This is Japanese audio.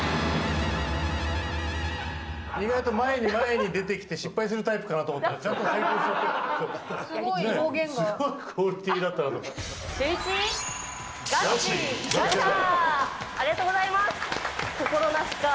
意外と前に前に出てきて失敗するタイプかなと思ったら、ちゃんと成功して。